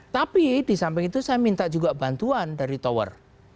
tapi di samping itu saya minta juga bantuan dari tower